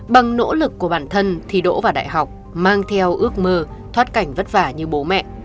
bằng nỗ lực của bản thân thi đỗ và đại học mang theo ước mơ thoát cảnh vất vả như bố mẹ